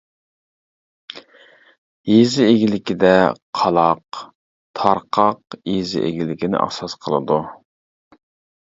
يېزا ئىگىلىكىدە قالاق، تارقاق يېزا ئىگىلىكىنى ئاساس قىلىدۇ.